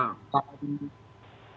kalau aliran dana